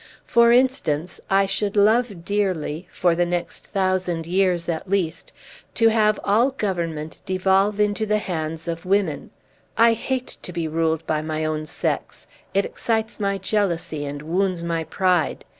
For instance, I should love dearly for the next thousand years, at least to have all government devolve into the hands of women. I hate to be ruled by my own sex; it excites my jealousy, and wounds my pride.